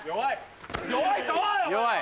弱い！